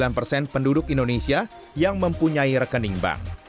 ada yang memiliki penduduk indonesia yang mempunyai rekening bank